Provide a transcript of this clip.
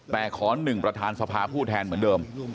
แต่ขอหนึ่งประธานสภาผู้แทนเหมือนเดิม